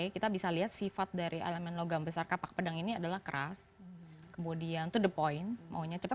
kita bisa lihat sifat dari elemen logam besar kapak pedang ini adalah keras kemudian to the point maunya cepat